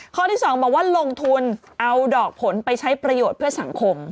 ข้อที่๒บอกว่าลงทุนเอาดอกผลไปใช้ประโยชน์เพื่อสังคม